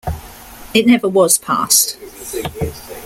It never was passed.